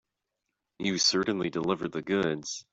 You certainly delivered the goods.